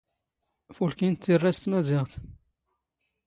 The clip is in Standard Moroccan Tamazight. ⴼⵓⵍⴽⵉⵏⵜ ⵜⵉⵔⵔⴰ ⵙ ⵜⵎⴰⵣⵉⵖⵜ.